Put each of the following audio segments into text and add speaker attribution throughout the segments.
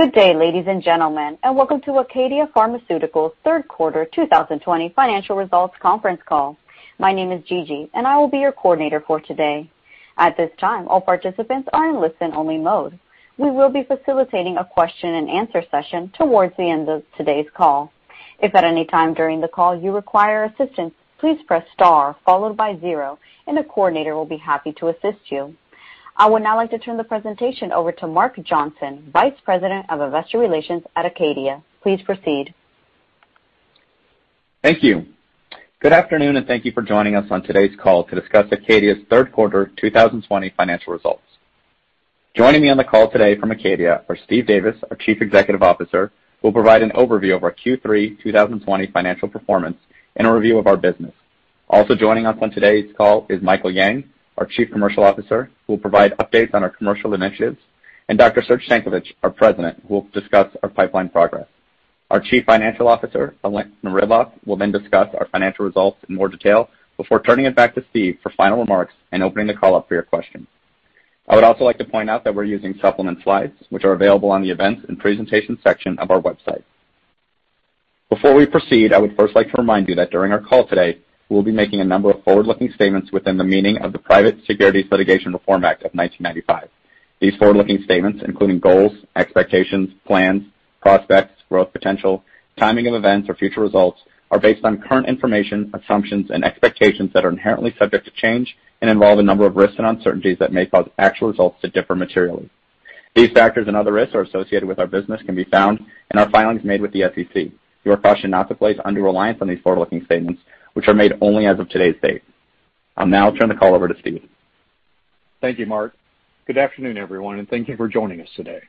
Speaker 1: Good day, ladies and gentlemen, and welcome to Acadia Pharmaceuticals' third quarter 2020 financial results conference call. My name is Gigi, and I will be your coordinator for today. At this time, all participants are in listen-only mode. We will be facilitating a question and answer session towards the end of today's call. If at any time during the call you require assistance, please press star followed by zero, and a coordinator will be happy to assist you. I would now like to turn the presentation over to Mark Johnson, Vice President of Investor Relations at Acadia. Please proceed.
Speaker 2: Thank you. Good afternoon, and thank you for joining us on today's call to discuss Acadia's third quarter 2020 financial results. Joining me on the call today from Acadia are Steve Davis, our Chief Executive Officer, who will provide an overview of our Q3 2020 financial performance and a review of our business. Also joining us on today's call is Michael Yang, our Chief Commercial Officer, who will provide updates on our commercial initiatives, and Dr. Serge Stankovic, our President, who will discuss our pipeline progress. Our Chief Financial Officer, Elena Ridloff, will then discuss our financial results in more detail before turning it back to Steve for final remarks and opening the call up for your questions. I would also like to point out that we're using supplement slides, which are available on the events and presentations section of our website. Before we proceed, I would first like to remind you that during our call today, we'll be making a number of forward-looking statements within the meaning of the Private Securities Litigation Reform Act of 1995. These forward-looking statements, including goals, expectations, plans, prospects, growth potential, timing of events, or future results, are based on current information, assumptions, and expectations that are inherently subject to change and involve a number of risks and uncertainties that may cause actual results to differ materially. These factors and other risks associated with our business can be found in our filings made with the SEC. You are cautioned not to place undue reliance on these forward-looking statements, which are made only as of today's date. I'll now turn the call over to Steve.
Speaker 3: Thank you, Mark. Good afternoon, everyone, and thank you for joining us today.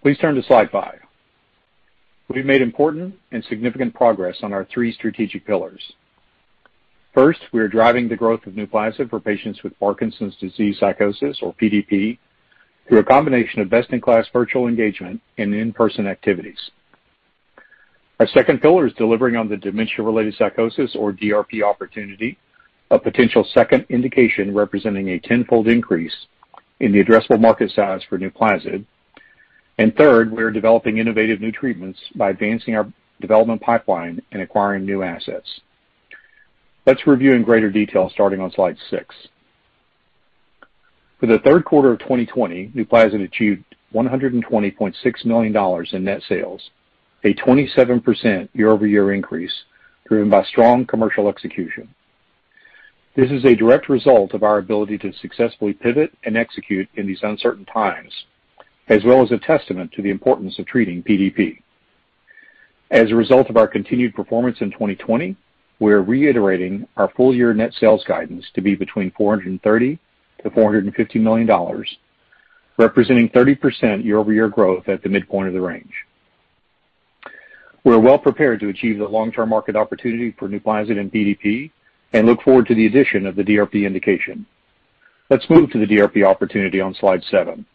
Speaker 3: Please turn to slide five. We've made important and significant progress on our three strategic pillars. First, we are driving the growth of NUPLAZID for patients with Parkinson's disease psychosis, or PDP, through a combination of best-in-class virtual engagement and in-person activities. Our second pillar is delivering on the dementia-related psychosis, or DRP opportunity, a potential second indication representing a tenfold increase in the addressable market size for NUPLAZID. Third, we are developing innovative new treatments by advancing our development pipeline and acquiring new assets. Let's review in greater detail, starting on slide six. For the third quarter of 2020, NUPLAZID achieved $120.6 million in net sales, a 27% year-over-year increase driven by strong commercial execution. This is a direct result of our ability to successfully pivot and execute in these uncertain times, as well as a testament to the importance of treating PDP. As a result of our continued performance in 2020, we are reiterating our full-year net sales guidance to be between $430 million-$450 million, representing 30% year-over-year growth at the midpoint of the range. We are well prepared to achieve the long-term market opportunity for NUPLAZID and PDP and look forward to the addition of the DRP indication. Let's move to the DRP opportunity on slide seven.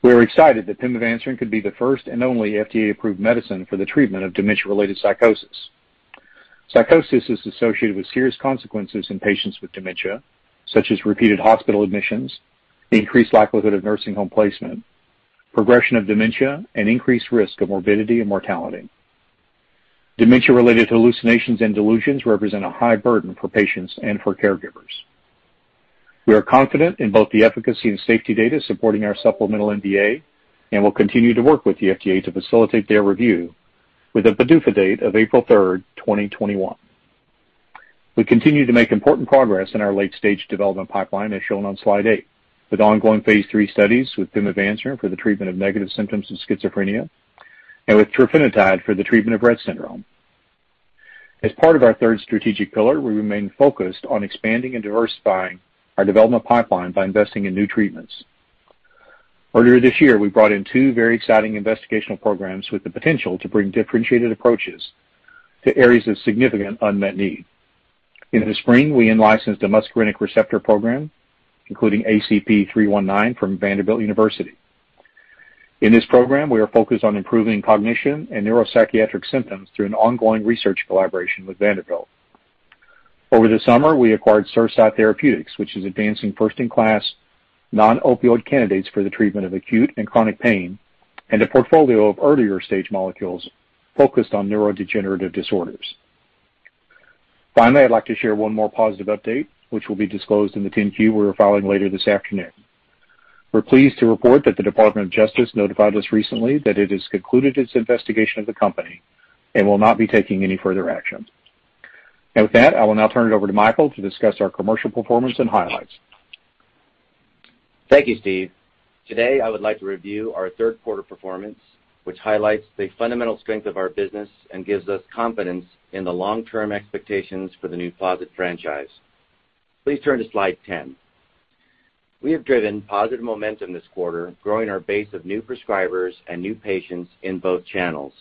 Speaker 3: We are excited that pimavanserin could be the first and only FDA-approved medicine for the treatment of dementia-related psychosis. Psychosis is associated with serious consequences in patients with dementia, such as repeated hospital admissions, increased likelihood of nursing home placement, progression of dementia, and increased risk of morbidity and mortality. Dementia-related hallucinations and delusions represent a high burden for patients and for caregivers. We are confident in both the efficacy and safety data supporting our supplemental NDA and will continue to work with the FDA to facilitate their review with a PDUFA date of April third, 2021. We continue to make important progress in our late-stage development pipeline, as shown on slide eight, with ongoing phase III studies with pimavanserin for the treatment of negative symptoms of schizophrenia and with trofinetide for the treatment of Rett syndrome. As part of our third strategic pillar, we remain focused on expanding and diversifying our development pipeline by investing in new treatments. Earlier this year, we brought in two very exciting investigational programs with the potential to bring differentiated approaches to areas of significant unmet need. In the spring, we in-licensed a muscarinic receptor program, including ACP-319 from Vanderbilt University. In this program, we are focused on improving cognition and neuropsychiatric symptoms through an ongoing research collaboration with Vanderbilt. Over the summer, we acquired CerSci Therapeutics, which is advancing first-in-class non-opioid candidates for the treatment of acute and chronic pain and a portfolio of earlier-stage molecules focused on neurodegenerative disorders. Finally, I'd like to share one more positive update, which will be disclosed in the 10-Q we are filing later this afternoon. We're pleased to report that the Department of Justice notified us recently that it has concluded its investigation of the company and will not be taking any further action. With that, I will now turn it over to Michael to discuss our commercial performance and highlights.
Speaker 4: Thank you, Steve. Today, I would like to review our third quarter performance, which highlights the fundamental strength of our business and gives us confidence in the long-term expectations for the NUPLAZID franchise. Please turn to slide ten. We have driven positive momentum this quarter, growing our base of new prescribers and new patients in both channels.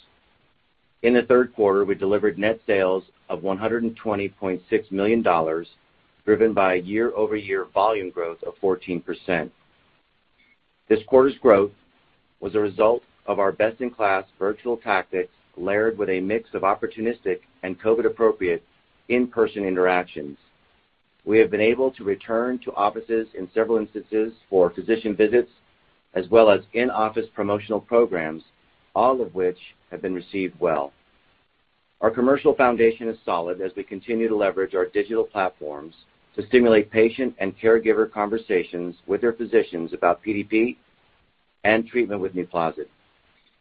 Speaker 4: In the third quarter, we delivered net sales of $120.6 million, driven by year-over-year volume growth of 14%. This quarter's growth was a result of our best-in-class virtual tactics layered with a mix of opportunistic and COVID-appropriate in-person interactions We have been able to return to offices in several instances for physician visits, as well as in-office promotional programs, all of which have been received well. Our commercial foundation is solid as we continue to leverage our digital platforms to stimulate patient and caregiver conversations with their physicians about PDP and treatment with NUPLAZID.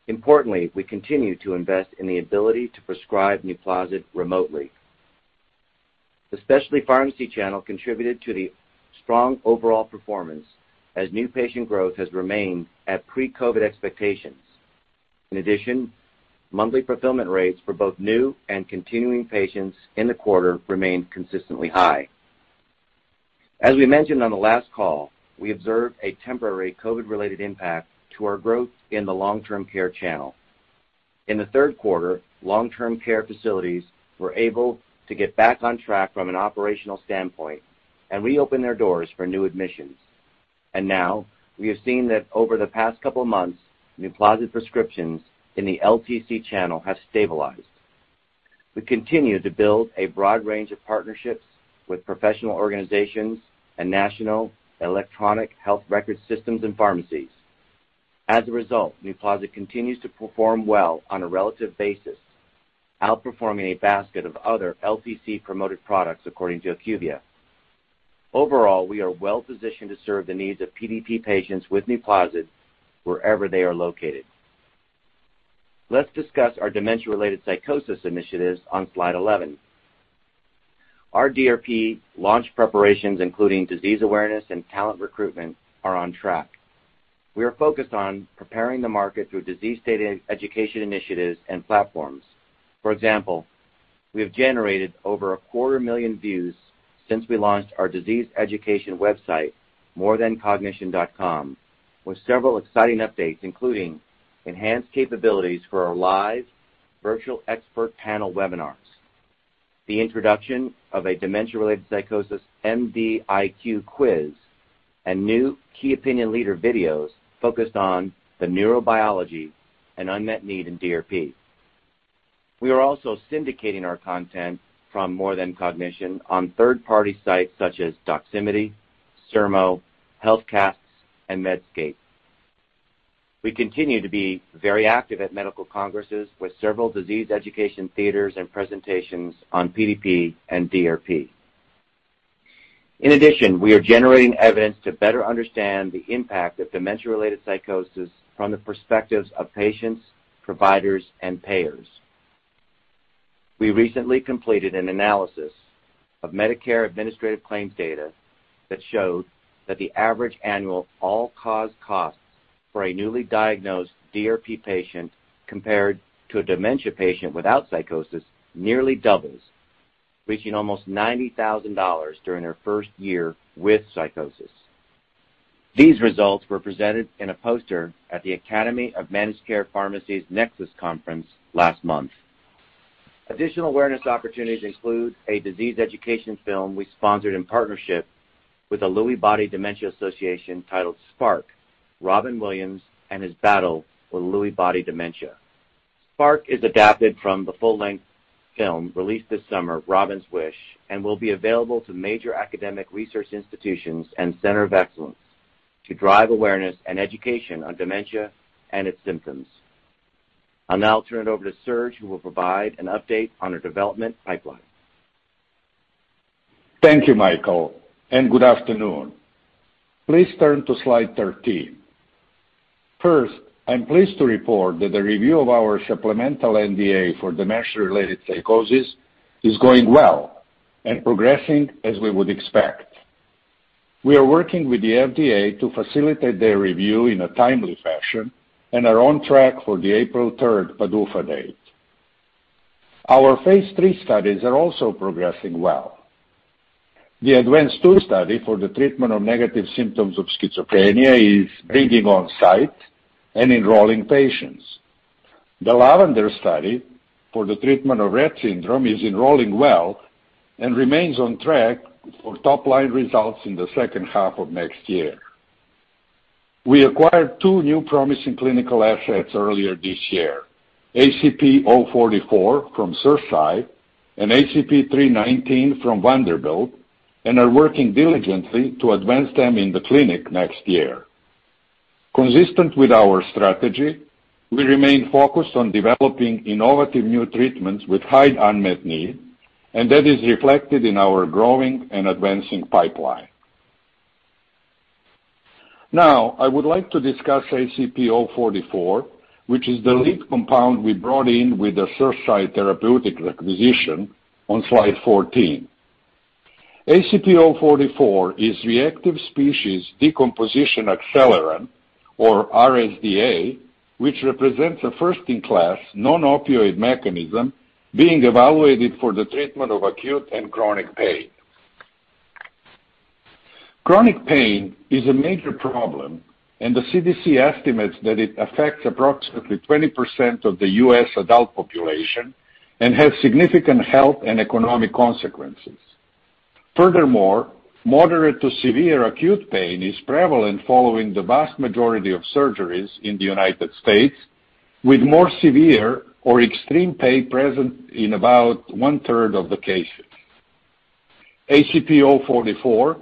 Speaker 4: Importantly, we continue to invest in the ability to prescribe NUPLAZID remotely. The specialty pharmacy channel contributed to the strong overall performance as new patient growth has remained at pre-COVID expectations. Monthly fulfillment rates for both new and continuing patients in the quarter remained consistently high. As we mentioned on the last call, we observed a temporary COVID-related impact to our growth in the long-term care channel. In the third quarter, long-term care facilities were able to get back on track from an operational standpoint and reopen their doors for new admissions. Now we have seen that over the past couple of months, NUPLAZID prescriptions in the LTC channel have stabilized. We continue to build a broad range of partnerships with professional organizations and national electronic health record systems and pharmacies. As a result, NUPLAZID continues to perform well on a relative basis, outperforming a basket of other LTC-promoted products according to IQVIA. Overall, we are well-positioned to serve the needs of PDP patients with NUPLAZID wherever they are located. Let's discuss our dementia-related psychosis initiatives on slide 11. Our DRP launch preparations, including disease awareness and talent recruitment, are on track. We are focused on preparing the market through disease state education initiatives and platforms. For example, we have generated over a quarter million views since we launched our disease education website, morethancognition.com, with several exciting updates, including enhanced capabilities for our live virtual expert panel webinars, the introduction of a dementia-related psychosis [MDIQ] quiz, and new key opinion leader videos focused on the neurobiology and unmet need in DRP. We are also syndicating our content from More Than Cognition on third-party sites such as Doximity, Sermo, Healthcast, and Medscape. We continue to be very active at medical congresses with several disease education theaters and presentations on PDP and DRP. In addition, we are generating evidence to better understand the impact of dementia-related psychosis from the perspectives of patients, providers, and payers. We recently completed an analysis of Medicare administrative claims data that showed that the average annual all-cause cost for a newly diagnosed DRP patient compared to a dementia patient without psychosis nearly doubles, reaching almost $90,000 during their first year with psychosis. These results were presented in a poster at the Academy of Managed Care Pharmacy's Nexus conference last month. Additional awareness opportunities include a disease education film we sponsored in partnership with the Lewy Body Dementia Association titled Spark: Robin Williams and His Battle with Lewy Body Dementia. Spark is adapted from the full-length film released this summer, Robin's Wish, and will be available to major academic research institutions and center of excellence to drive awareness and education on dementia and its symptoms. I'll now turn it over to Serge, who will provide an update on our development pipeline.
Speaker 5: Thank you, Michael. Good afternoon. Please turn to slide 13. First, I'm pleased to report that the review of our supplemental NDA for dementia-related psychosis is going well and progressing as we would expect. We are working with the FDA to facilitate their review in a timely fashion and are on track for the April third PDUFA date. Our phase III studies are also progressing well. The ADVANCE-2 study for the treatment of negative symptoms of schizophrenia is reading on site and enrolling patients. The LAVENDER study for the treatment of Rett syndrome is enrolling well and remains on track for top-line results in the second half of next year. We acquired two new promising clinical assets earlier this year, ACP-044 from CerSci and ACP-319 from Vanderbilt, and are working diligently to advance them in the clinic next year. Consistent with our strategy, we remain focused on developing innovative new treatments with high unmet need, that is reflected in our growing and advancing pipeline. Now, I would like to discuss ACP-044, which is the lead compound we brought in with the CerSci Therapeutics acquisition on slide 14. ACP-044 is Reactive Species Decomposition Accelerant, or RSDA, which represents a first-in-class non-opioid mechanism being evaluated for the treatment of acute and chronic pain. Chronic pain is a major problem, the CDC estimates that it affects approximately 20% of the U.S. adult population and has significant health and economic consequences. Furthermore, moderate to severe acute pain is prevalent following the vast majority of surgeries in the United States with more severe or extreme pain present in about one-third of the cases. ACP-044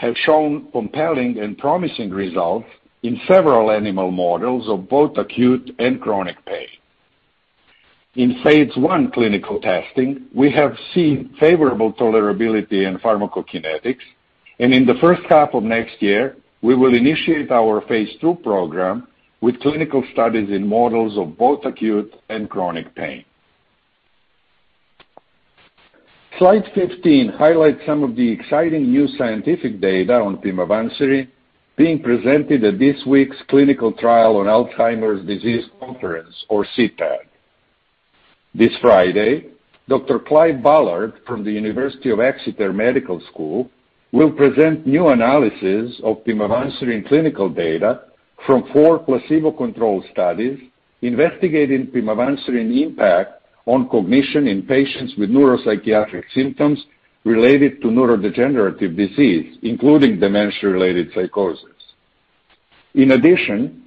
Speaker 5: has shown compelling and promising results in several animal models of both acute and chronic pain. In phase I clinical testing, we have seen favorable tolerability and pharmacokinetics. In the first half of next year, we will initiate our phase II program with clinical studies in models of both acute and chronic pain. Slide 15 highlights some of the exciting new scientific data on pimavanserin being presented at this week's Clinical Trial on Alzheimer's Disease conference, or CTAD. This Friday, Dr. Clive Ballard from the University of Exeter Medical School will present new analysis of pimavanserin clinical data from four placebo-controlled studies investigating pimavanserin impact on cognition in patients with neuropsychiatric symptoms related to neurodegenerative disease, including dementia-related psychosis. In addition,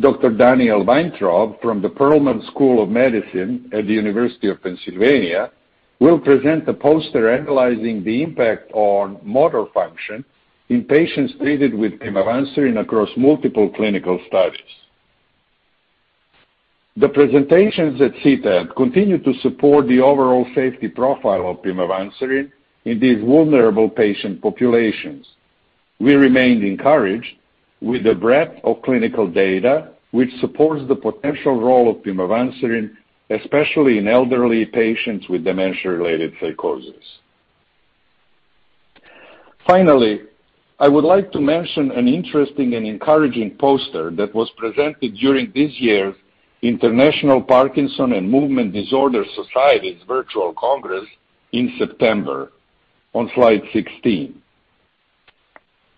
Speaker 5: Dr. Daniel Weintraub from the Perelman School of Medicine at the University of Pennsylvania will present a poster analyzing the impact on motor function in patients treated with pimavanserin across multiple clinical studies. The presentations at CTAD continue to support the overall safety profile of pimavanserin in these vulnerable patient populations. We remain encouraged with the breadth of clinical data, which supports the potential role of pimavanserin, especially in elderly patients with dementia-related psychosis. Finally, I would like to mention an interesting and encouraging poster that was presented during this year's International Parkinson and Movement Disorder Society's virtual congress in September, on slide 16.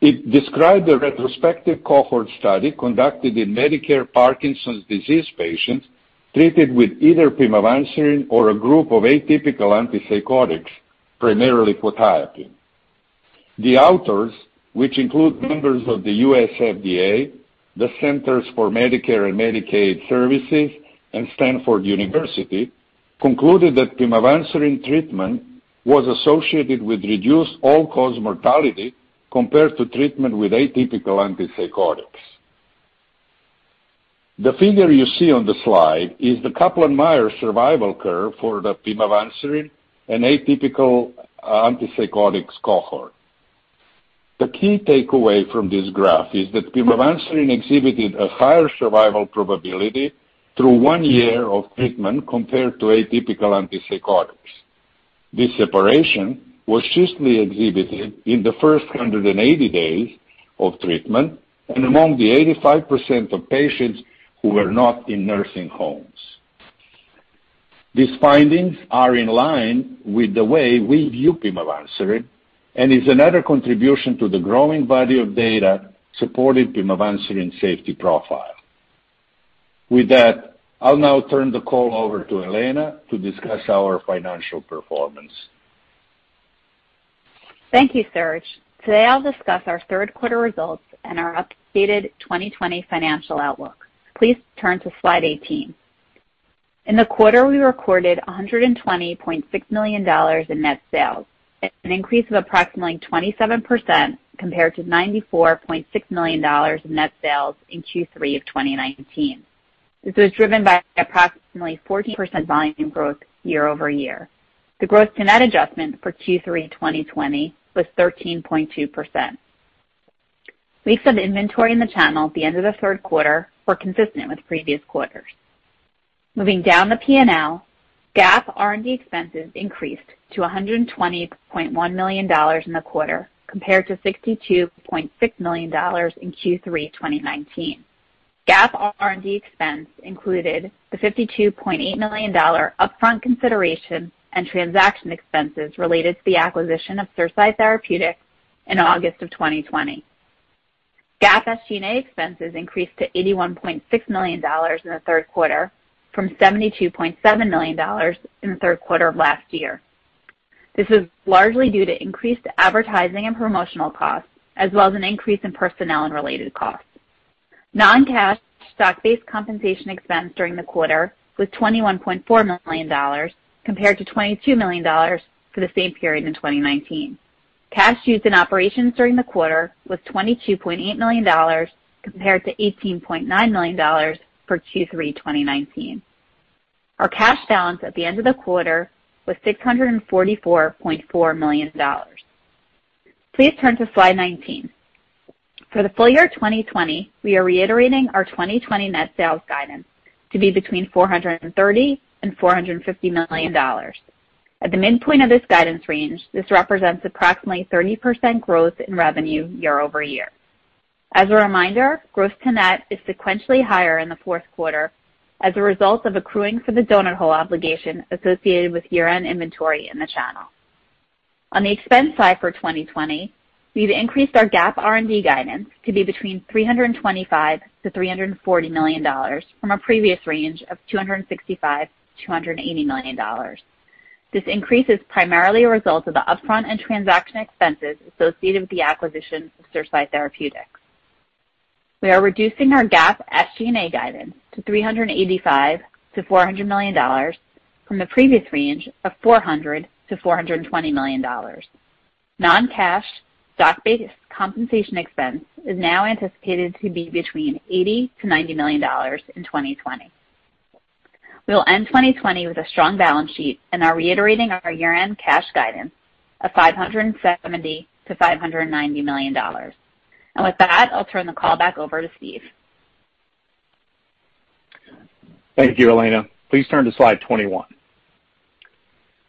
Speaker 5: It described a retrospective cohort study conducted in Medicare Parkinson's disease patients treated with either pimavanserin or a group of atypical antipsychotics, primarily quetiapine. The authors, which include members of the U.S. FDA, the Centers for Medicare & Medicaid Services, and Stanford University, concluded that pimavanserin treatment was associated with reduced all-cause mortality compared to treatment with atypical antipsychotics. The figure you see on the slide is the Kaplan-Meier survival curve for the pimavanserin and atypical antipsychotics cohort. The key takeaway from this graph is that pimavanserin exhibited a higher survival probability through one year of treatment compared to atypical antipsychotics. This separation was chiefly exhibited in the first 180 days of treatment and among the 85% of patients who were not in nursing homes. These findings are in line with the way we view pimavanserin and is another contribution to the growing body of data supporting pimavanserin's safety profile. With that, I'll now turn the call over to Elena to discuss our financial performance.
Speaker 6: Thank you, Serge. Today, I'll discuss our third quarter results and our updated 2020 financial outlook. Please turn to slide 18. In the quarter, we recorded $120.6 million in net sales, an increase of approximately 27% compared to $94.6 million in net sales in Q3 of 2019. This was driven by approximately 14% volume growth year-over-year. The growth to net adjustment for Q3 2020 was 13.2%. Weeks of inventory in the channel at the end of the third quarter were consistent with previous quarters. Moving down the P&L, GAAP R&D expenses increased to $120.1 million in the quarter, compared to $62.6 million in Q3 2019. GAAP R&D expense included the $52.8 million upfront consideration and transaction expenses related to the acquisition of CerSci Therapeutics in August of 2020. GAAP SG&A expenses increased to $81.6 million in the third quarter from $72.7 million in the third quarter of last year. This is largely due to increased advertising and promotional costs, as well as an increase in personnel and related costs. Non-cash stock-based compensation expense during the quarter was $21.4 million, compared to $22 million for the same period in 2019. Cash used in operations during the quarter was $22.8 million, compared to $18.9 million for Q3 2019. Our cash balance at the end of the quarter was $644.4 million. Please turn to slide 19. For the full year 2020, we are reiterating our 2020 net sales guidance to be between $430 and $450 million. At the midpoint of this guidance range, this represents approximately 30% growth in revenue year-over-year. As a reminder, growth to net is sequentially higher in the fourth quarter as a result of accruing for the donut hole obligation associated with year-end inventory in the channel. On the expense side for 2020, we've increased our GAAP R&D guidance to be between $325 million-$340 million from a previous range of $265 million-$280 million. This increase is primarily a result of the upfront and transaction expenses associated with the acquisition of CerSci Therapeutics. We are reducing our GAAP SG&A guidance to $385 million-$400 million from the previous range of $400 million-$420 million. Non-cash stock-based compensation expense is now anticipated to be between $80 million-$90 million in 2020. We'll end 2020 with a strong balance sheet and are reiterating our year-end cash guidance of $570 million-$590 million. With that, I'll turn the call back over to Steve.
Speaker 3: Thank you, Elena. Please turn to slide 21.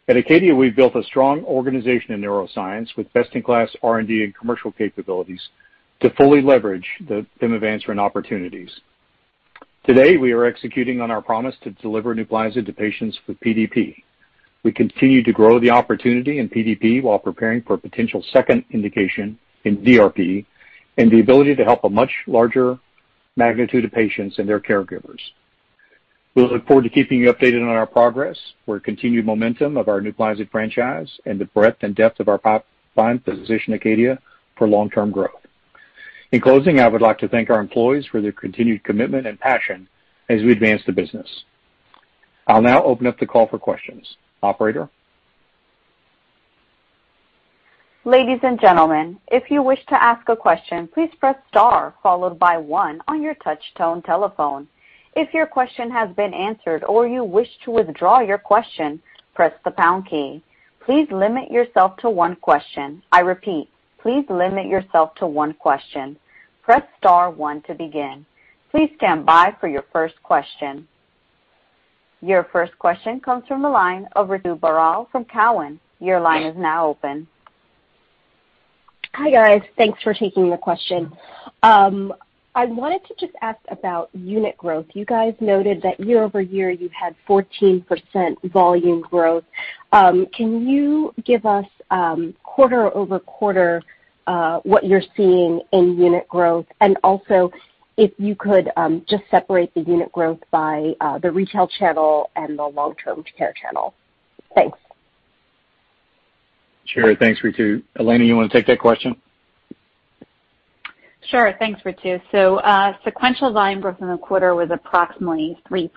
Speaker 3: At Acadia, we've built a strong organization in neuroscience with best-in-class R&D and commercial capabilities to fully leverage the pimavanserin opportunities. Today, we are executing on our promise to deliver NUPLAZID to patients with PDP. We continue to grow the opportunity in PDP while preparing for a potential second indication in DRP and the ability to help a much larger magnitude of patients and their caregivers. We look forward to keeping you updated on our progress for continued momentum of our NUPLAZID franchise and the breadth and depth of our pipeline to position Acadia for long-term growth. In closing, I would like to thank our employees for their continued commitment and passion as we advance the business. I'll now open up the call for questions. Operator?
Speaker 1: Ladies and gentlemen, if you wish to ask a question, please press star followed by one on your touch tone telephone. If your question has been answered or you wish to withdraw your question, press the pound key. Please limit yourself to one question. I repeat, please limit yourself to one question. Press star one to begin. Please standby for your first question. Your first question comes from the line of Ritu Baral from Cowen. Your line is now open.
Speaker 7: Hi, guys. Thanks for taking the question. I wanted to just ask about unit growth. You guys noted that year-over-year you've had 14% volume growth. Can you give us quarter-over-quarter what you're seeing in unit growth? Also, if you could just separate the unit growth by the retail channel and the long-term care channel. Thanks.
Speaker 3: Sure. Thanks, Ritu. Elena, you want to take that question?
Speaker 6: Sure. Thanks, Ritu. Sequential volume growth in the quarter was approximately 3%,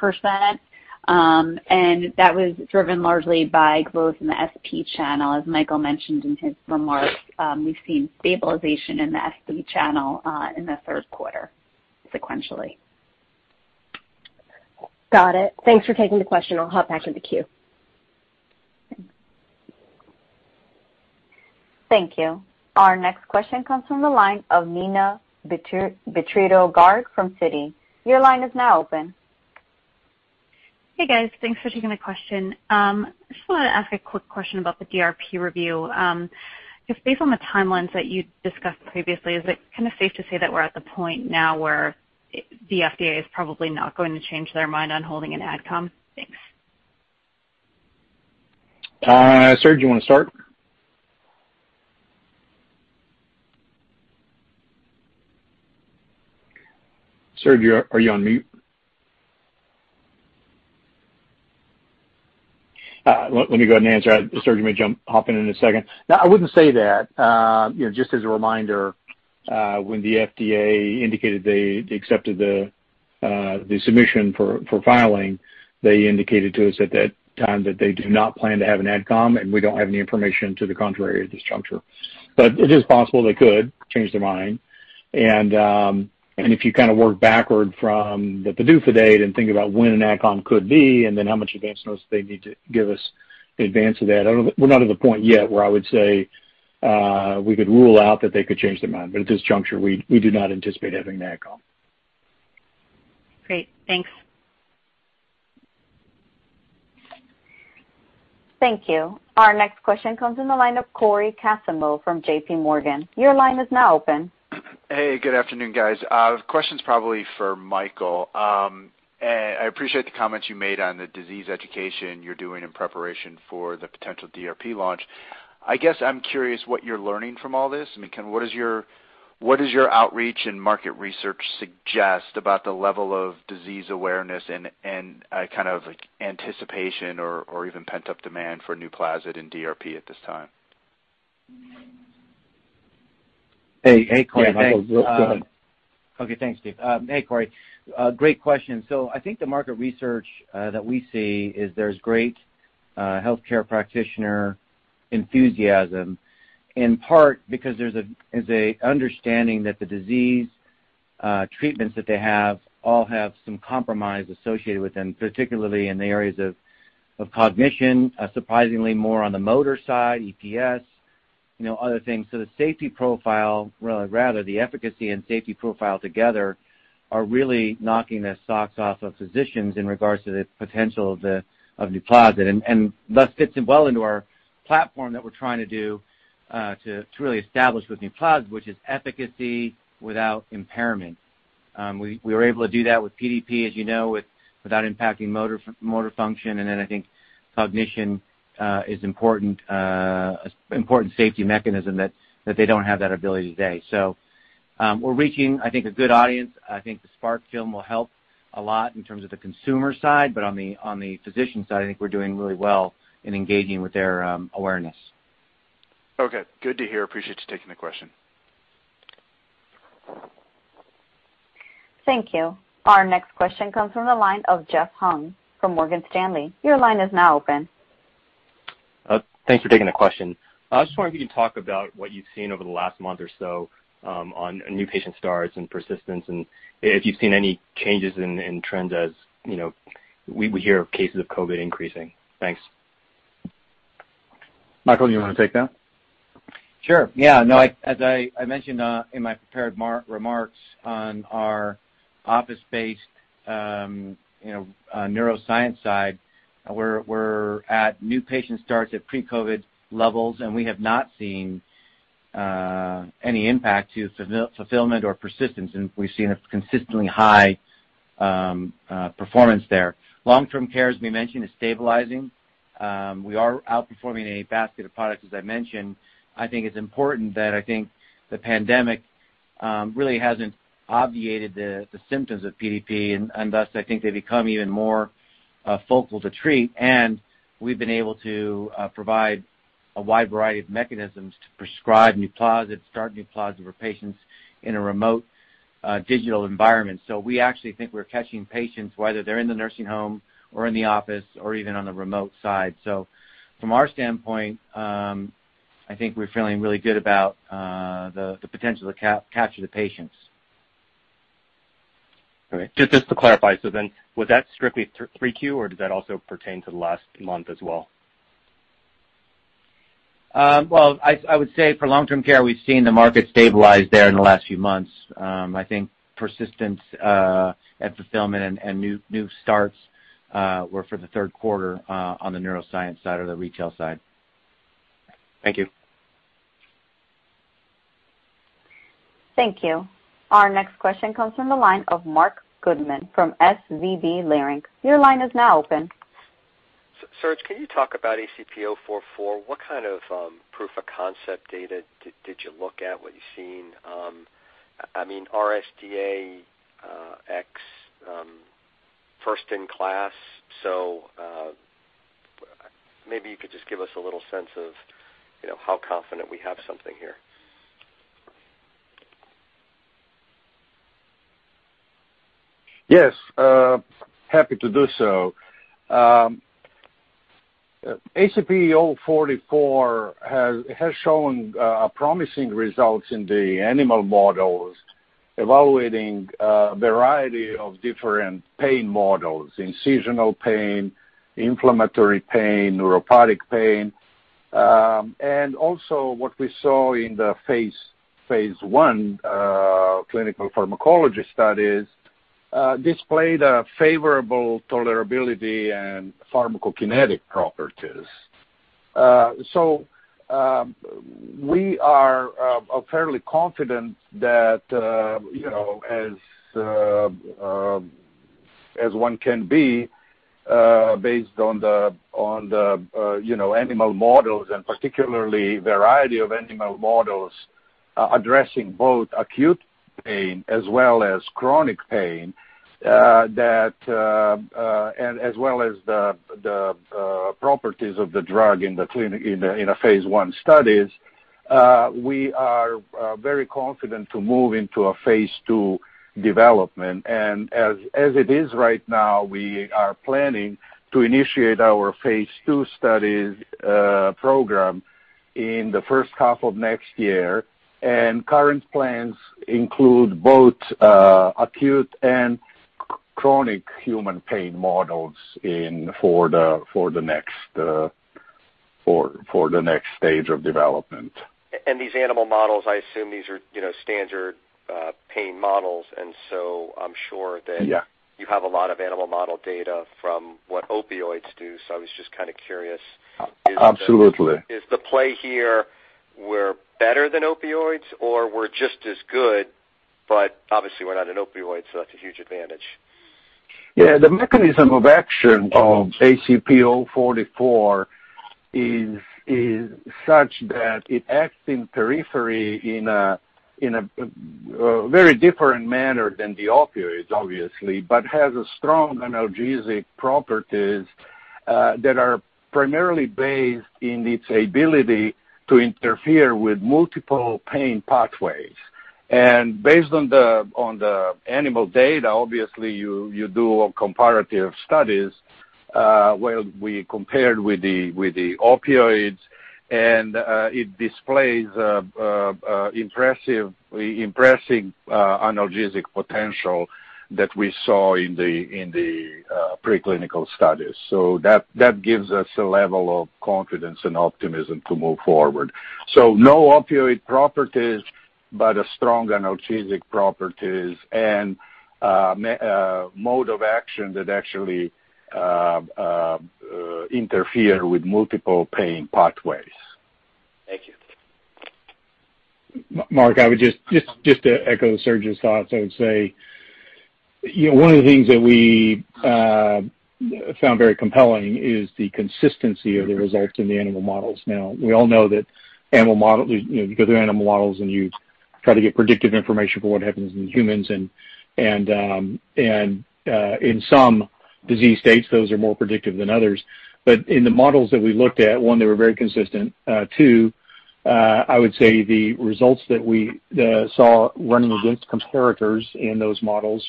Speaker 6: and that was driven largely by growth in the SP channel. As Michael mentioned in his remarks, we've seen stabilization in the SP channel in the third quarter sequentially.
Speaker 7: Got it. Thanks for taking the question. I'll hop back in the queue.
Speaker 6: Thanks.
Speaker 1: Thank you. Our next question comes from the line of Neena Bitritto-Garg from Citi. Your line is now open.
Speaker 8: Hey, guys. Thanks for taking the question. I just wanted to ask a quick question about the DRP review. Just based on the timelines that you discussed previously, is it kind of safe to say that we're at the point now where the FDA is probably not going to change their mind on holding an Advisory Committee? Thanks.
Speaker 3: Serge, you want to start? Serge, are you on mute? Let me go ahead and answer that. Serge may jump hop in in a second. I wouldn't say that. Just as a reminder, when the FDA indicated they accepted the submission for filing, they indicated to us at that time that they do not plan to have an Advisory Committee, and we don't have any information to the contrary at this juncture. It is possible they could change their mind. If you kind of work backward from the PDUFA date and think about when an Advisory Committee could be and then how much advance notice they need to give us in advance of that, we're not at the point yet where I would say we could rule out that they could change their mind. At this juncture, we do not anticipate having an Advisory Committee.
Speaker 8: Great. Thanks.
Speaker 1: Thank you. Our next question comes in the line of Cory Kasimov from JPMorgan. Your line is now open.
Speaker 9: Hey, good afternoon, guys. Question's probably for Michael. I appreciate the comments you made on the disease education you're doing in preparation for the potential DRP launch. I guess I'm curious what you're learning from all this. What does your outreach and market research suggest about the level of disease awareness and kind of anticipation or even pent-up demand for NUPLAZID and DRP at this time?
Speaker 3: Hey, Cory. Michael, go ahead.
Speaker 4: Okay, thanks Steve. Hey, Cory. Great question. I think the market research that we see is there's great healthcare practitioner enthusiasm, in part because there's an understanding that the disease treatments that they have all have some compromise associated with them, particularly in the areas of cognition, surprisingly more on the motor side, EPS, other things. The safety profile, or rather the efficacy and safety profile together are really knocking the socks off of physicians in regards to the potential of NUPLAZID. Thus fits in well into our platform that we're trying to do to really establish with NUPLAZID, which is efficacy without impairment. We were able to do that with PDP, as you know, without impacting motor function. I think cognition is important safety mechanism that they don't have that ability today. We're reaching, I think, a good audience. I think the Spark film will help a lot in terms of the consumer side, but on the physician side, I think we're doing really well in engaging with their awareness.
Speaker 9: Okay. Good to hear. Appreciate you taking the question.
Speaker 1: Thank you. Our next question comes from the line of Jeff Hung from Morgan Stanley. Your line is now open.
Speaker 10: Thanks for taking the question. I was wondering if you can talk about what you've seen over the last month or so on new patient starts and persistence, and if you've seen any changes in trends as we hear of cases of COVID increasing. Thanks.
Speaker 3: Michael, you want to take that?
Speaker 4: Sure. As I mentioned in my prepared remarks on our office-based neuroscience side, we're at new patient starts at pre-COVID levels, and we have not seen any impact to fulfillment or persistence, and we've seen a consistently high performance there. Long-term care, as we mentioned, is stabilizing. We are outperforming a basket of products, as I mentioned. I think it's important that I think the pandemic really hasn't obviated the symptoms of PDP, and thus, I think they become even more focal to treat, and we've been able to provide a wide variety of mechanisms to prescribe NUPLAZID, start NUPLAZID for patients in a remote digital environment. We actually think we're catching patients, whether they're in the nursing home or in the office or even on the remote side. From our standpoint, I think we're feeling really good about the potential to capture the patients.
Speaker 10: All right. Just to clarify, was that strictly 3Q, or does that also pertain to the last month as well?
Speaker 4: Well, I would say for long-term care, we've seen the market stabilize there in the last few months. I think persistence and fulfillment and new starts were for the third quarter on the neuroscience side or the retail side.
Speaker 10: Thank you.
Speaker 1: Thank you. Our next question comes from the line of Marc Goodman from SVB Leerink. Your line is now open.
Speaker 11: Serge, can you talk about ACP-044? What kind of proof of concept data did you look at, what you've seen? I mean, RSDAx first in class. Maybe you could just give us a little sense of how confident we have something here?
Speaker 5: Yes. Happy to do so. ACP-044 has shown promising results in the animal models, evaluating a variety of different pain models, incisional pain, inflammatory pain, neuropathic pain. Also what we saw in the phase I clinical pharmacology studies displayed a favorable tolerability and pharmacokinetic properties. We are fairly confident that, as one can be based on the animal models, and particularly variety of animal models addressing both acute pain as well as chronic pain as well as the properties of the drug in the phase I studies. We are very confident to move into a phase II development. As it is right now, we are planning to initiate our phase II studies program in the first half of next year. Current plans include both acute and chronic human pain models for the next stage of development.
Speaker 11: These animal models, I assume these are standard pain models. I'm sure that.
Speaker 5: Yeah
Speaker 11: you have a lot of animal model data from what opioids do. I was just kind of curious.
Speaker 5: Absolutely.
Speaker 11: Is the play here we're better than opioids or we're just as good, but obviously we're not an opioid, so that's a huge advantage.
Speaker 5: The mechanism of action of ACP-044 is such that it acts in periphery in a very different manner than the opioids, obviously, but has strong analgesic properties that are primarily based in its ability to interfere with multiple pain pathways. Based on the animal data, obviously, you do a comparative studies where we compared with the opioids, and it displays impressive analgesic potential that we saw in the pre-clinical studies. That gives us a level of confidence and optimism to move forward. No opioid properties, but strong analgesic properties and mode of action that actually interfere with multiple pain pathways.
Speaker 11: Thank you.
Speaker 3: Marc, just to echo Serge's thoughts, I would say. One of the things that we found very compelling is the consistency of the results in the animal models. We all know that you go through animal models, and you try to get predictive information for what happens in humans, and in some disease states, those are more predictive than others. In the models that we looked at, one, they were very consistent. Two, I would say the results that we saw running against comparators in those models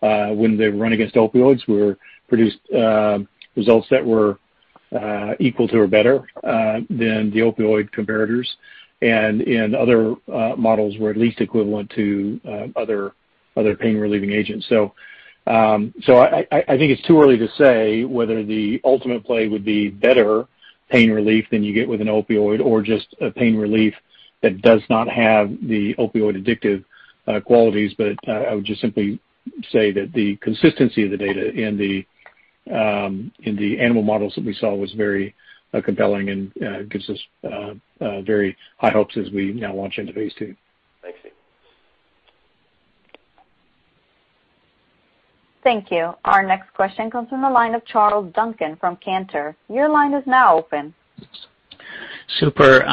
Speaker 3: when they run against opioids produced results that were equal to or better than the opioid comparators. In other models were at least equivalent to other pain-relieving agents. I think it's too early to say whether the ultimate play would be better pain relief than you get with an opioid or just a pain relief that does not have the opioid addictive qualities. I would just simply say that the consistency of the data in the animal models that we saw was very compelling and gives us very high hopes as we now launch into phase II.
Speaker 11: Thanks, Steve.
Speaker 1: Thank you. Our next question comes from the line of Charles Duncan from Cantor. Your line is now open.
Speaker 12: Super.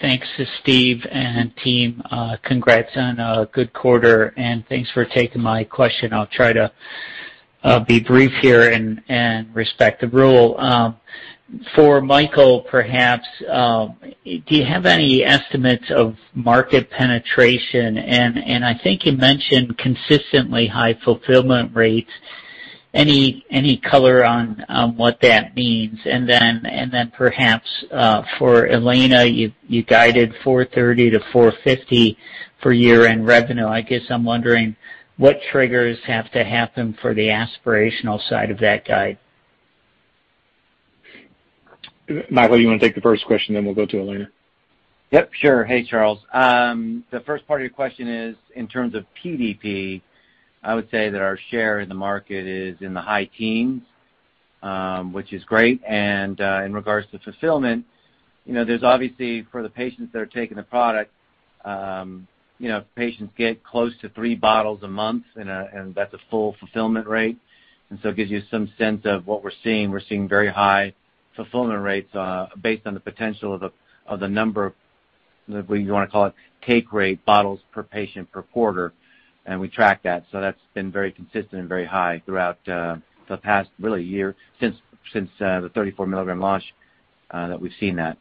Speaker 12: Thanks to Steve and team. Congrats on a good quarter. Thanks for taking my question. I'll try to be brief here and respect the rule. For Michael, perhaps, do you have any estimates of market penetration? I think you mentioned consistently high fulfillment rates. Any color on what that means? Perhaps, for Elena, you guided $430-$450 for year-end revenue. I guess I'm wondering what triggers have to happen for the aspirational side of that guide.
Speaker 3: Michael, you want to take the first question, then we'll go to Elena.
Speaker 4: Yep, sure. Hey, Charles. The first part of your question is in terms of PDP. I would say that our share in the market is in the high teens, which is great. In regards to fulfillment, there's obviously for the patients that are taking the product, patients get close to three bottles a month, and that's a full fulfillment rate. It gives you some sense of what we're seeing. We're seeing very high fulfillment rates based on the potential of the number of, whether you want to call it take rate bottles per patient per quarter, and we track that. That's been very consistent and very high throughout the past, really, year since the 34 milligram launch that we've seen that.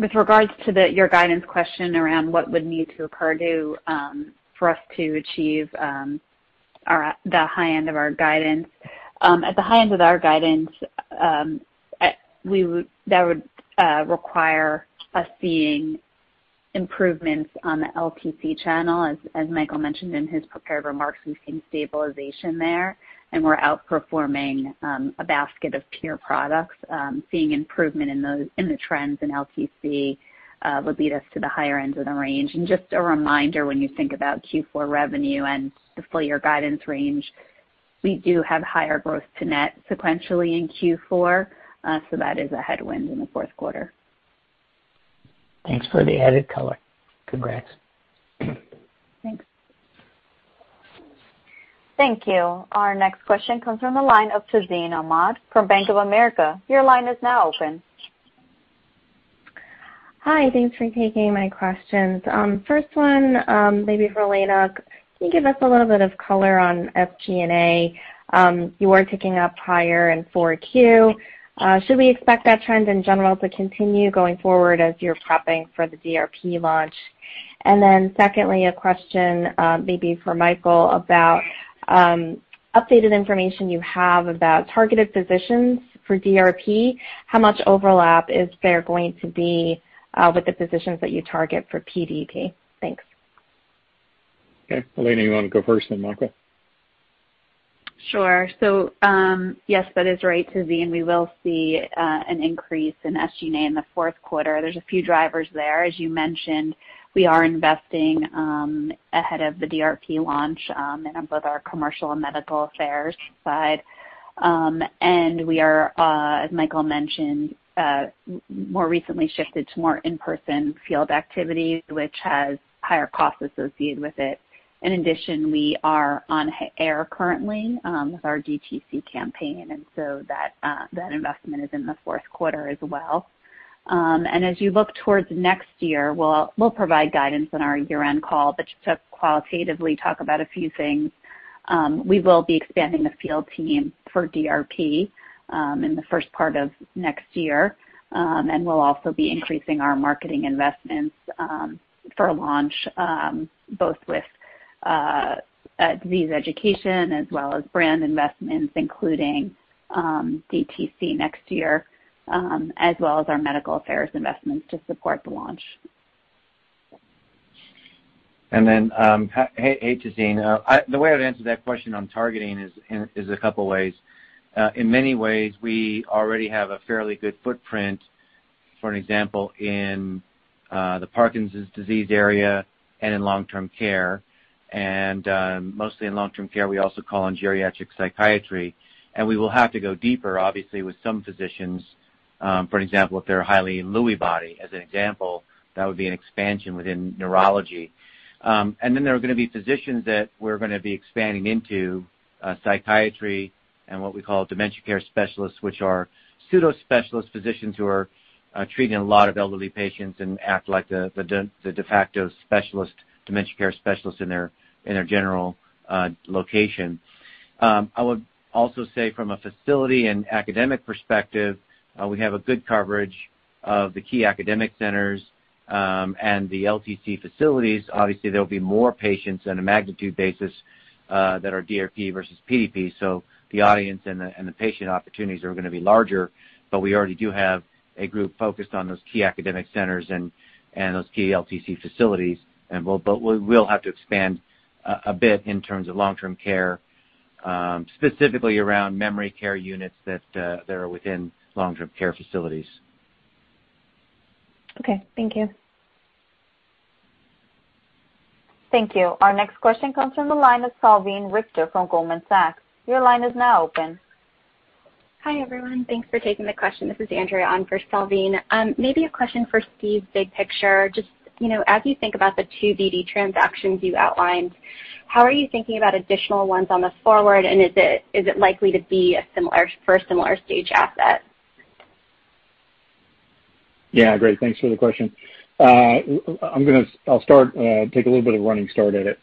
Speaker 6: With regards to your guidance question around what would need to occur due for us to achieve the high end of our guidance. At the high end of our guidance, that would require us seeing improvements on the LTC channel. As Michael mentioned in his prepared remarks, we've seen stabilization there, and we're outperforming a basket of peer products. Seeing improvement in the trends in LTC would lead us to the higher ends of the range. Just a reminder, when you think about Q4 revenue and the full-year guidance range, we do have higher growth to net sequentially in Q4. That is a headwind in the fourth quarter.
Speaker 12: Thanks for the added color. Congrats.
Speaker 6: Thanks.
Speaker 1: Thank you. Our next question comes from the line of Tazeen Ahmad from Bank of America. Your line is now open.
Speaker 13: Hi. Thanks for taking my questions. First one, maybe for Elena. Can you give us a little bit of color on SG&A? You are ticking up higher in 4Q. Should we expect that trend in general to continue going forward as you're prepping for the DRP launch? Secondly, a question maybe for Michael about updated information you have about targeted physicians for DRP. How much overlap is there going to be with the physicians that you target for PDP? Thanks.
Speaker 3: Okay. Elena, you want to go first, then Michael?
Speaker 6: Sure. Yes, that is right, Tazeen. We will see an increase in SG&A in the fourth quarter. There's a few drivers there. As you mentioned, we are investing ahead of the DRP launch in both our commercial and medical affairs side. We are, as Michael mentioned, more recently shifted to more in-person field activities, which has higher costs associated with it. In addition, we are on air currently with our DTC campaign, that investment is in the fourth quarter as well. As you look towards next year, we'll provide guidance on our year-end call. Just to qualitatively talk about a few things, we will be expanding the field team for DRP in the first part of next year, and we'll also be increasing our marketing investments for launch both with disease education as well as brand investments, including DTC next year, as well as our medical affairs investments to support the launch.
Speaker 4: Hey, Tazeen. The way I'd answer that question on targeting is a couple ways. In many ways, we already have a fairly good footprint, for an example, in the Parkinson's disease area and in long-term care. Mostly in long-term care, we also call on geriatric psychiatry, and we will have to go deeper, obviously, with some physicians. For an example, if they're highly Lewy body, as an example, that would be an expansion within neurology. There are going to be physicians that we're going to be expanding into. psychiatry and what we call dementia care specialists, which are pseudo-specialist physicians who are treating a lot of elderly patients and act like the de facto dementia care specialists in their general location. I would also say from a facility and academic perspective, we have a good coverage of the key academic centers, and the LTC facilities. Obviously, there'll be more patients on a magnitude basis that are DRP versus PDP, so the audience and the patient opportunities are going to be larger. We already do have a group focused on those key academic centers and those key LTC facilities. We'll have to expand a bit in terms of long-term care, specifically around memory care units that are within long-term care facilities.
Speaker 13: Okay. Thank you.
Speaker 1: Thank you. Our next question comes from the line of Salveen Richter from Goldman Sachs. Your line is now open.
Speaker 14: Hi, everyone. Thanks for taking the question. This is Andrea on for Salveen. Maybe a question for Steve, big picture. Just as you think about the two DD transactions you outlined, how are you thinking about additional ones on this forward, and is it likely to be for a similar stage asset?
Speaker 3: Yeah. Great. Thanks for the question. I'll take a little bit of a running start at it.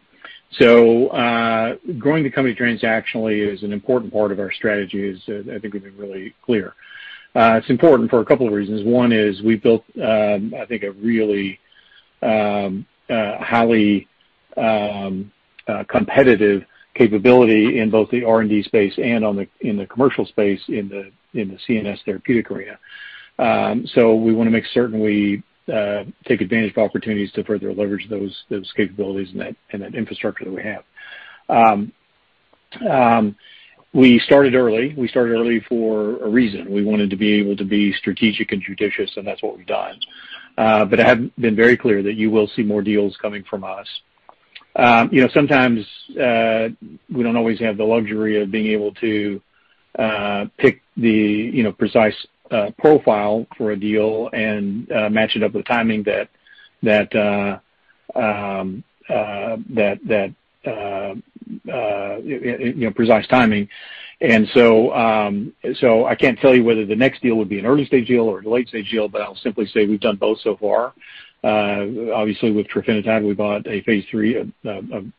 Speaker 3: Growing the company transactionally is an important part of our strategy, as I think we've been really clear. It's important for a couple of reasons. One is we've built, I think, a really highly competitive capability in both the R&D space and in the commercial space in the CNS therapeutic area. We want to make certain we take advantage of opportunities to further leverage those capabilities and that infrastructure that we have. We started early. We started early for a reason. We wanted to be able to be strategic and judicious, and that's what we've done. I have been very clear that you will see more deals coming from us. Sometimes we don't always have the luxury of being able to pick the precise profile for a deal and match it up with precise timing. I can't tell you whether the next deal would be an early-stage deal or a late-stage deal, but I'll simply say we've done both so far. Obviously, with trofinetide, we bought a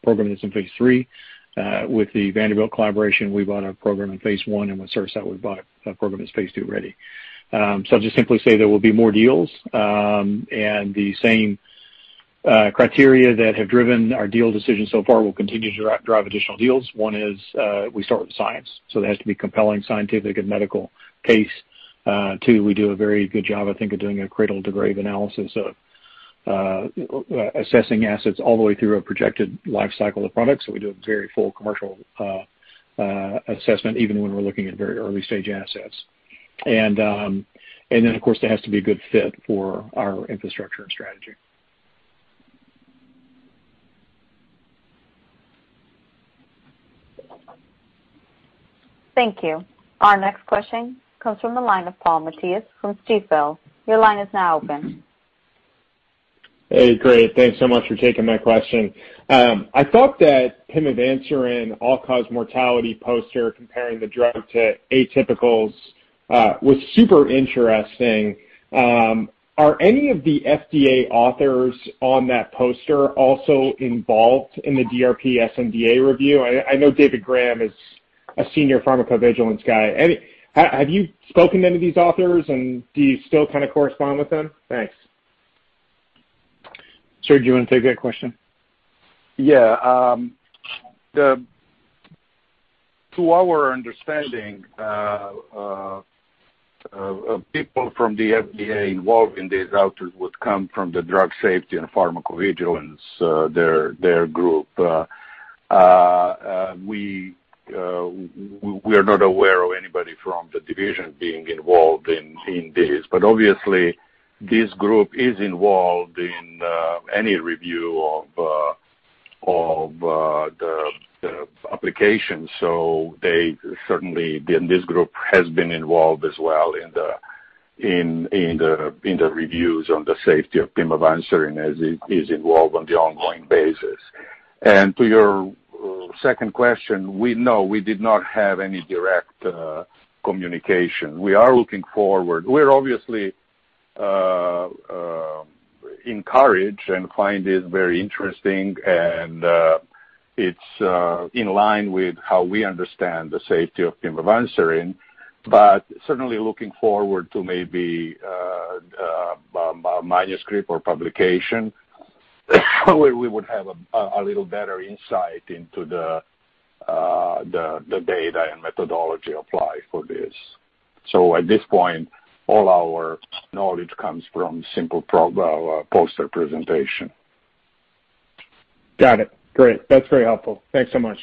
Speaker 3: program that's in phase III. With the Vanderbilt collaboration, we bought a program in phase I, and with CerSci, we bought a program that's phase II-ready. I'll just simply say there will be more deals, and the same criteria that have driven our deal decisions so far will continue to drive additional deals. One is we start with science. There has to be a compelling scientific and medical case. Two, we do a very good job, I think, of doing a cradle-to-grave analysis of assessing assets all the way through a projected life cycle of products. We do a very full commercial assessment, even when we're looking at very early-stage assets. Of course, there has to be a good fit for our infrastructure and strategy.
Speaker 1: Thank you. Our next question comes from the line of Paul Matteis from Stifel. Your line is now open.
Speaker 15: Hey, great. Thanks so much for taking my question. I thought that pimavanserin all-cause mortality poster comparing the drug to atypicals was super interesting. Are any of the FDA authors on that poster also involved in the DRP sNDA review? I know David Graham is a senior pharmacovigilance guy. Have you spoken to any of these authors, and do you still correspond with them? Thanks.
Speaker 3: Serge, do you want to take that question?
Speaker 5: Yeah. To our understanding, people from the FDA involved in this output would come from the drug safety and pharmacovigilance, their group. We are not aware of anybody from the division being involved in this. Obviously, this group is involved in any review of the application. Certainly, this group has been involved as well in the reviews on the safety of pimavanserin, as it is involved on the ongoing basis. To your second question, no, we did not have any direct communication. We are looking forward. We're obviously encouraged and find it very interesting, and it's in line with how we understand the safety of pimavanserin. Certainly looking forward to maybe a manuscript or publication where we would have a little better insight into the data and methodology applied for this. At this point, all our knowledge comes from a simple poster presentation.
Speaker 15: Got it. Great. That is very helpful. Thanks so much.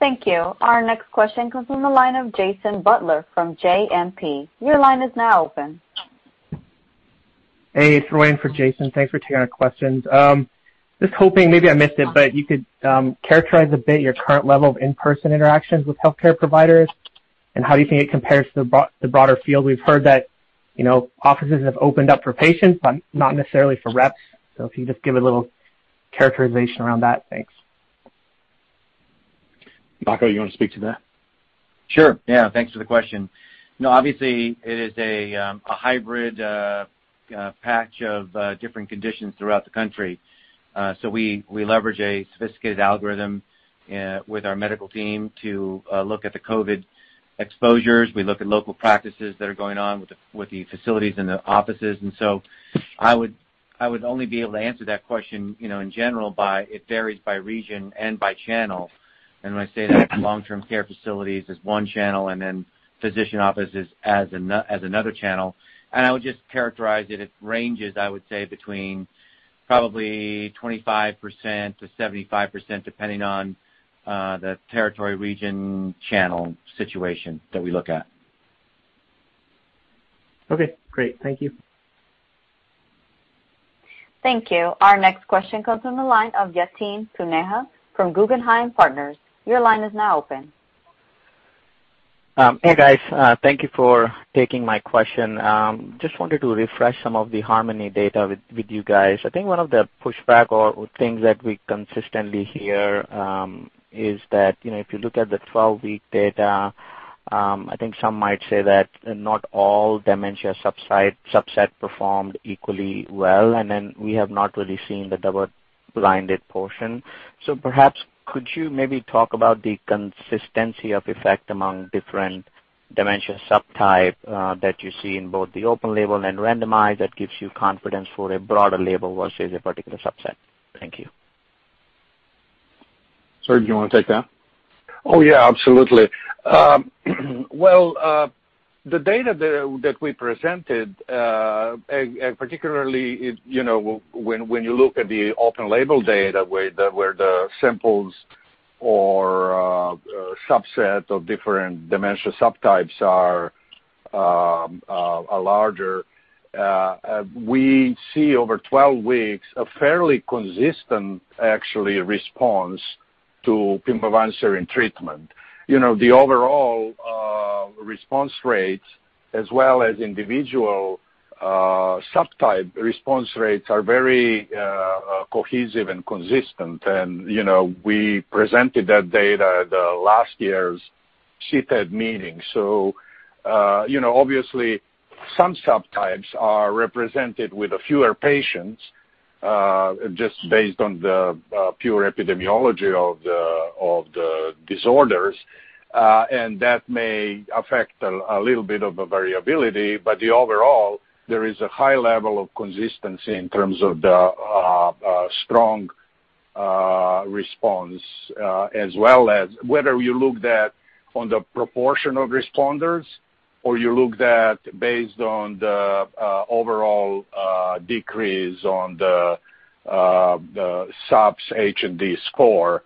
Speaker 1: Thank you. Our next question comes from the line of Jason Butler from JMP.
Speaker 16: Hey, it's Ryan for Jason. Thanks for taking our questions. Just hoping, maybe I missed it, but you could characterize a bit your current level of in-person interactions with healthcare providers? How do you think it compares to the broader field? We've heard that offices have opened up for patients, but not necessarily for reps. If you just give a little characterization around that. Thanks.
Speaker 3: Michael, you want to speak to that?
Speaker 4: Sure. Yeah, thanks for the question. It is a hybrid patch of different conditions throughout the country. We leverage a sophisticated algorithm with our medical team to look at the COVID exposures. We look at local practices that are going on with the facilities and the offices. I would only be able to answer that question in general by it varies by region and by channel. When I say that long-term care facilities is one channel and then physician offices as another channel. I would just characterize it ranges, I would say, between probably 25%-75%, depending on the territory, region, channel situation that we look at.
Speaker 16: Okay, great. Thank you.
Speaker 1: Thank you. Our next question comes from the line of Yatin Suneja from Guggenheim Partners. Your line is now open.
Speaker 17: Hey, guys. Thank you for taking my question. Just wanted to refresh some of the HARMONY data with you guys. I think one of the pushback or things that we consistently hear is that if you look at the 12-week data, I think some might say that not all dementia subset performed equally well, and then we have not really seen the double-blinded portion. Perhaps could you maybe talk about the consistency of effect among different dementia subtype that you see in both the open label and randomized that gives you confidence for a broader label versus a particular subset? Thank you.
Speaker 3: Serge, do you want to take that?
Speaker 5: Oh, yeah, absolutely. The data that we presented, particularly when you look at the open label data where the samples or subset of different dementia subtypes are larger we see over 12 weeks a fairly consistent, actually, response to pimavanserin treatment. The overall response rates as well as individual subtype response rates are very cohesive and consistent. We presented that data at the last year's CTAD meeting. Obviously some subtypes are represented with fewer patients, just based on the pure epidemiology of the disorders. That may affect a little bit of a variability. The overall, there is a high level of consistency in terms of the strong response as well as whether you looked at on the proportion of responders or you looked at based on the overall decrease on the SAPS H&D score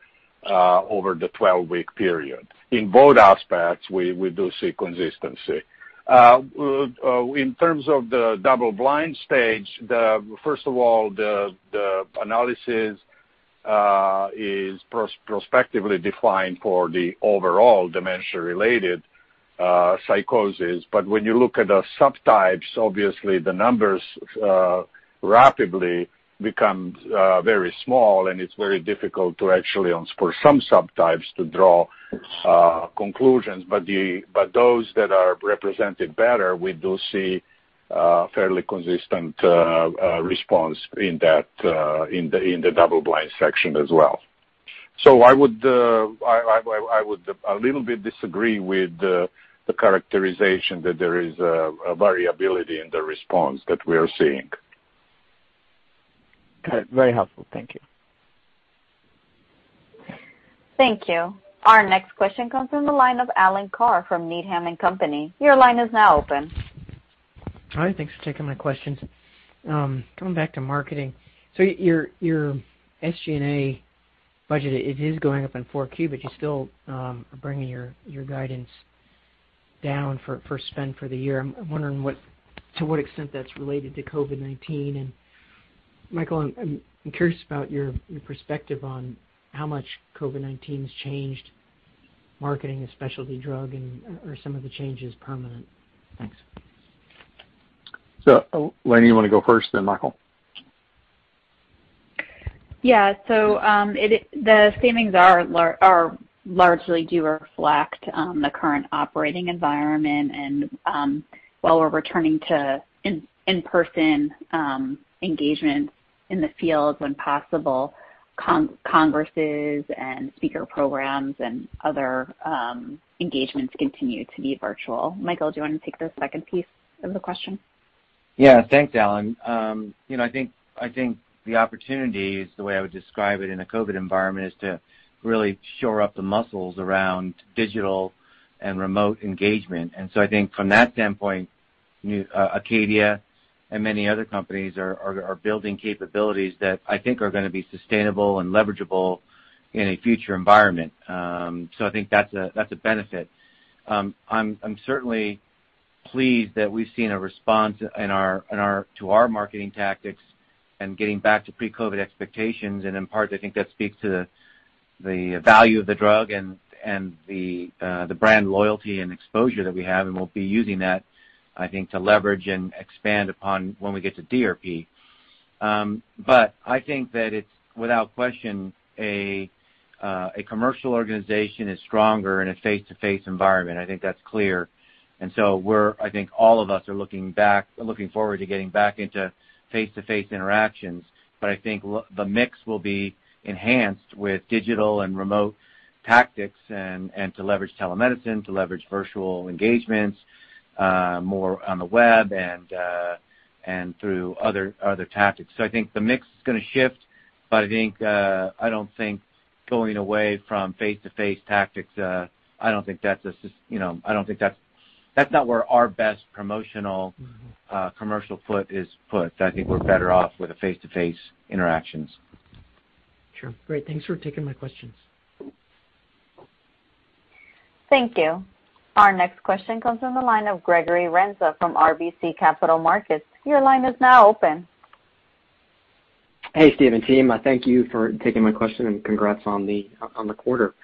Speaker 5: over the 12-week period. In both aspects, we do see consistency. In terms of the double-blind stage, first of all, the analysis is prospectively defined for the overall dementia-related psychosis. When you look at the subtypes, obviously the numbers rapidly become very small and it's very difficult to actually, for some subtypes, to draw conclusions. Those that are represented better, we do see a fairly consistent response in the double-blind section as well. I would a little bit disagree with the characterization that there is a variability in the response that we are seeing.
Speaker 17: Good. Very helpful. Thank you.
Speaker 1: Thank you. Our next question comes from the line of Alan Carr from Needham & Company. Your line is now open.
Speaker 18: Hi, thanks for taking my questions. Coming back to marketing, so your SG&A budget is going up in 4Q, but you still are bringing your guidance down for spend for the year. I'm wondering to what extent that's related to COVID-19. Michael, I'm curious about your perspective on how much COVID-19 has changed marketing a specialty drug and are some of the changes permanent? Thanks.
Speaker 3: Elena, you want to go first, then Michael?
Speaker 6: Yeah. The savings are largely do reflect the current operating environment. While we're returning to in-person engagement in the field when possible, congresses and speaker programs and other engagements continue to be virtual. Michael, do you want to take the second piece of the question?
Speaker 4: Yeah, thanks, Alan. I think the opportunity is the way I would describe it in a COVID environment is to really shore up the muscles around digital and remote engagement. I think from that standpoint, Acadia and many other companies are building capabilities that I think are going to be sustainable and leverageable in a future environment. I think that's a benefit. I'm certainly Pleased that we've seen a response to our marketing tactics and getting back to pre-COVID expectations. In part, I think that speaks to the value of the drug and the brand loyalty and exposure that we have. We'll be using that, I think, to leverage and expand upon when we get to DRP. I think that it's without question, a commercial organization is stronger in a face-to-face environment. I think that's clear. I think all of us are looking forward to getting back into face-to-face interactions. I think the mix will be enhanced with digital and remote tactics and to leverage telemedicine, to leverage virtual engagements, more on the web and through other tactics. I think the mix is going to shift, but I don't think going away from face-to-face tactics, that's not where our best promotional commercial foot is put. I think we're better off with face-to-face interactions.
Speaker 18: Sure. Great. Thanks for taking my questions.
Speaker 1: Thank you. Our next question comes from the line of Gregory Renza from RBC Capital Markets. Your line is now open.
Speaker 19: Hey, Steve and team. Thank you for taking my question, and congrats on the quarter.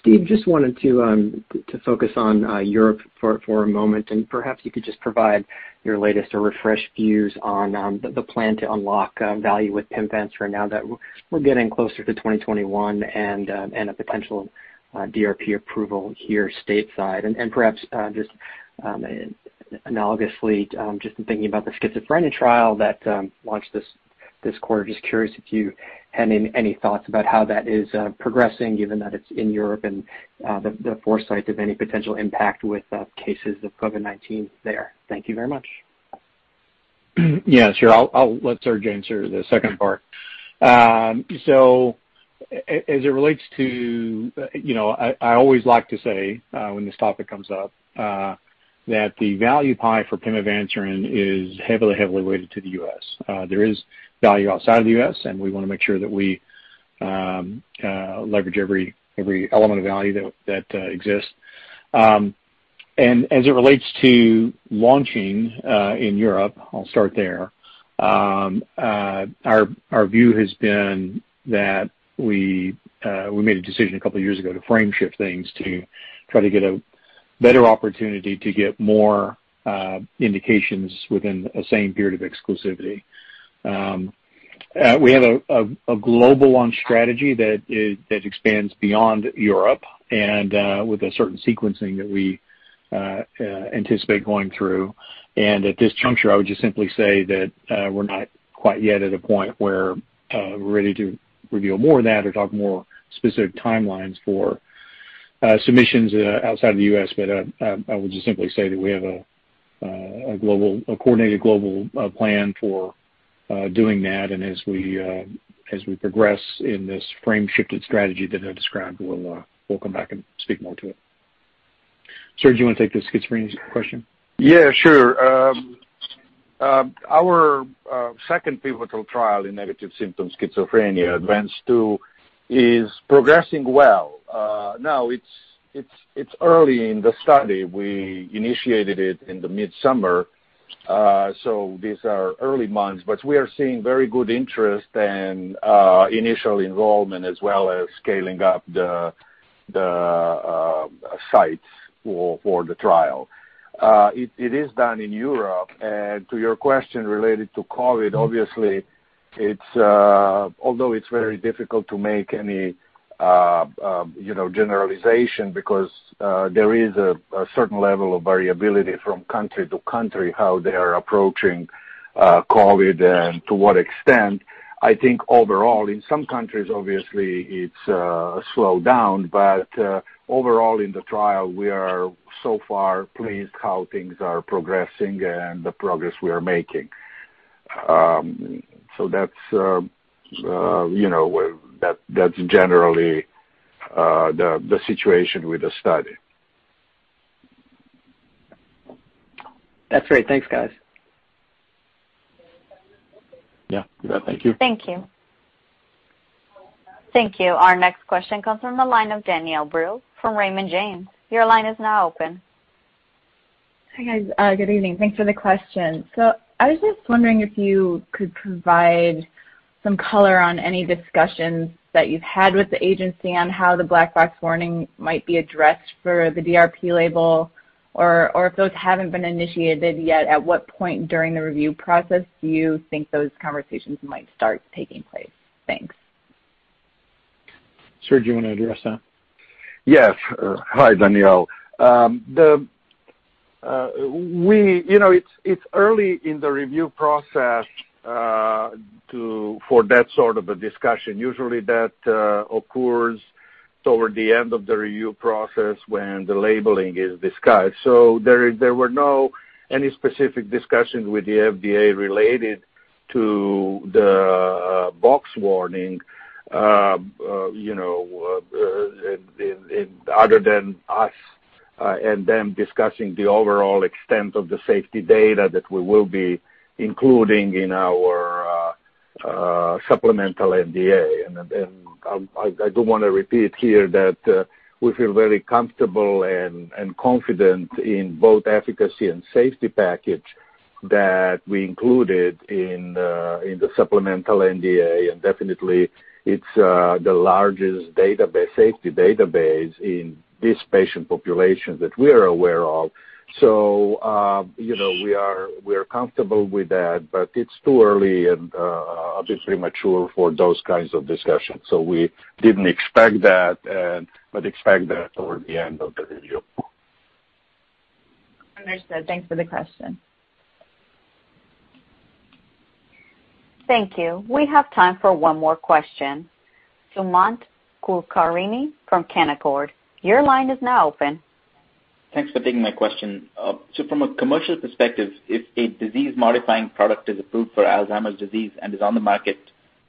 Speaker 19: Steve, just wanted to focus on Europe for a moment, and perhaps you could just provide your latest or refresh views on the plan to unlock value with pimavanserin now that we're getting closer to 2021 and a potential DRP approval here stateside. Perhaps just analogously, just in thinking about the schizophrenia trial that launched this quarter, just curious if you had any thoughts about how that is progressing, given that it's in Europe and the foresight of any potential impact with cases of COVID-19 there. Thank you very much.
Speaker 3: Yeah, sure. I'll let Serge answer the second part. As it relates to, I always like to say when this topic comes up that the value pie for pimavanserin is heavily weighted to the U.S. There is value outside of the U.S., and we want to make sure that we leverage every element of value that exists. As it relates to launching in Europe, I'll start there. Our view has been that we made a decision a couple of years ago to frame shift things to try to get a better opportunity to get more indications within the same period of exclusivity. We have a global launch strategy that expands beyond Europe and with a certain sequencing that we anticipate going through. At this juncture, I would just simply say that we're not quite yet at a point where we're ready to reveal more of that or talk more specific timelines for submissions outside of the U.S. I would just simply say that we have a coordinated global plan for doing that, and as we progress in this frame-shifted strategy that I described, we'll come back and speak more to it. Serge, do you want to take the schizophrenia question?
Speaker 5: Yeah, sure. Our second pivotal trial in negative symptom schizophrenia, ADVANCE-2, is progressing well. Now, it's early in the study. We initiated it in the midsummer so these are early months, but we are seeing very good interest and initial involvement as well as scaling up the sites for the trial. It is done in Europe. To your question related to COVID, obviously, although it's very difficult to make any generalization because there is a certain level of variability from country to country, how they are approaching COVID and to what extent. I think overall, in some countries, obviously it's slowed down. Overall in the trial, we are so far pleased how things are progressing and the progress we are making. That's generally the situation with the study.
Speaker 19: That's great. Thanks, guys.
Speaker 3: Yeah. Thank you.
Speaker 1: Thank you. Thank you. Our next question comes from the line of Danielle Brill from Raymond James. Your line is now open.
Speaker 20: Hi, guys. Good evening. Thanks for the question. I was just wondering if you could provide some color on any discussions that you've had with the agency on how the black box warning might be addressed for the DRP label. If those haven't been initiated yet, at what point during the review process do you think those conversations might start taking place? Thanks.
Speaker 3: Serge, do you want to address that?
Speaker 5: Yes. Hi, Danielle. It's early in the review process for that sort of a discussion. Usually, that occurs toward the end of the review process when the labeling is discussed. There were not any specific discussions with the FDA related to the box warning other than us and them discussing the overall extent of the safety data that we will be including in our supplemental NDA. I do want to repeat here that we feel very comfortable and confident in both efficacy and safety package that we included in the supplemental NDA. Definitely, it's the largest safety database in this patient population that we are aware of. We are comfortable with that, but it's too early and obviously premature for those kinds of discussions. We didn't expect that, but expect that toward the end of the review.
Speaker 20: Understood. Thanks for the question.
Speaker 1: Thank you. We have time for one more question. Sumant Kulkarni from Canaccord, your line is now open.
Speaker 21: Thanks for taking my question. From a commercial perspective, if a disease-modifying product is approved for Alzheimer's disease and is on the market,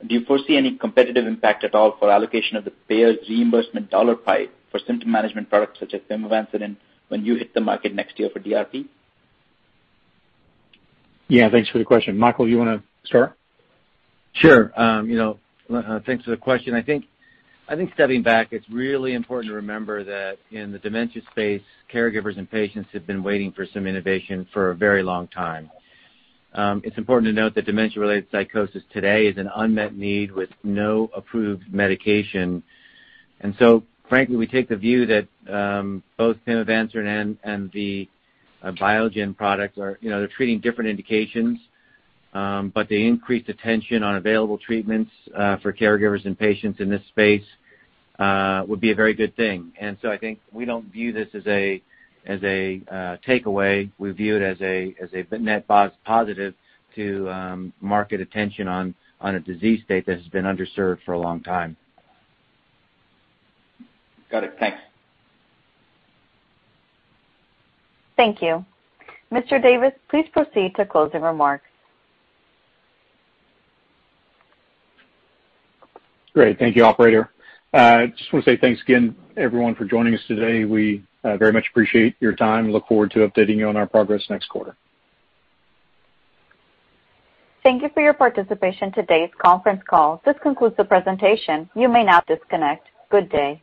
Speaker 21: do you foresee any competitive impact at all for allocation of the payer's reimbursement dollar pie for symptom management products such as pimavanserin when you hit the market next year for DRP?
Speaker 3: Yeah, thanks for the question. Michael, you want to start?
Speaker 4: Sure. Thanks for the question. I think stepping back, it's really important to remember that in the dementia space, caregivers and patients have been waiting for some innovation for a very long time. It's important to note that dementia-related psychosis today is an unmet need with no approved medication. Frankly, we take the view that both pimavanserin and the Biogen product, they're treating different indications. The increased attention on available treatments for caregivers and patients in this space would be a very good thing. I think we don't view this as a takeaway. We view it as a net positive to market attention on a disease state that has been underserved for a long time.
Speaker 21: Got it. Thanks.
Speaker 1: Thank you. Mr. Davis, please proceed to closing remarks.
Speaker 3: Great. Thank you, operator. I just want to say thanks again, everyone, for joining us today. We very much appreciate your time and look forward to updating you on our progress next quarter.
Speaker 1: Thank you for your participation in today's conference call. This concludes the presentation. You may now disconnect. Good day.